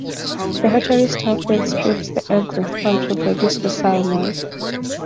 The hatchery staff then strips the eggs and sperm to reproduce the salmon.